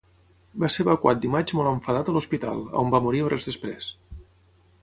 Va ser evacuat dimarts molt enfadat a l'hospital, on va morir hores després.